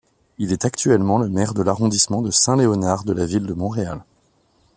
Il est actuellement le maire de l'arrondissement de Saint-Léonard de la ville de Montréal.